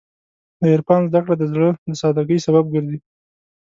د عرفان زدهکړه د زړه د سادګۍ سبب ګرځي.